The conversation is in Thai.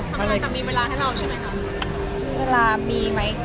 ทำงานต้องมีเวลาให้เราใช่ไหมคะ